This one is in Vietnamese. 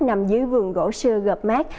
nằm dưới vườn gỗ xưa gợp mát